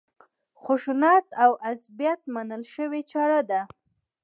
خشونت او عصبیت منل شوې چاره ده.